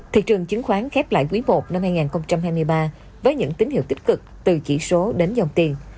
thị trường chứng khoán khép lại quý i năm hai nghìn hai mươi ba với những tín hiệu tích cực từ chỉ số đến dòng tiền